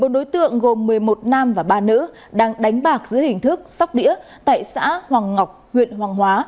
một mươi bốn đối tượng gồm một mươi một nam và ba nữ đang đánh bạc giữa hình thức sóc đĩa tại xã hoàng ngọc huyện hoàng hóa